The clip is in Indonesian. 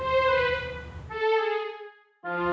gak kecanduan hp